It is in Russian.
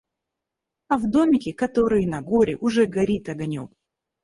А в домике, который на горе, уже горит огонёк.